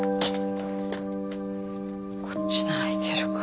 こっちならいけるか。